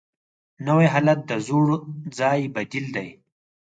نوی حالت د زوړ ځای بدیل دی